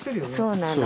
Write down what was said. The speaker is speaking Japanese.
そうなの。